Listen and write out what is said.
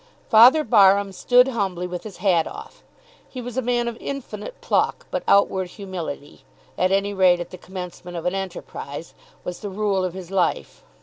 Father Barham stood humbly with his hat off. He was a man of infinite pluck; but outward humility at any rate at the commencement of an enterprise, was the rule of his life.